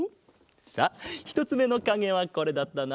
さあひとつめのかげはこれだったな。